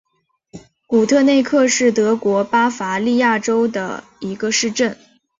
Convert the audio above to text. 古特内克是德国巴伐利亚州的一个市镇。